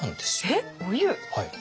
えっお湯？